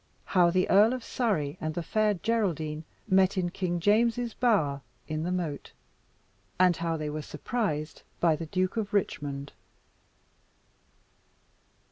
How the Earl of Surrey and the Fair Geraldine met in King James's Bower in the Moat And how they were surprised by the Duke of Richmond.